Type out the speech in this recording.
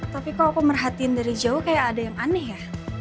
tapi kalau aku merhatiin dari jauh kayak ada yang aneh ya